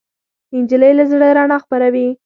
نجلۍ له زړه رڼا خپروي.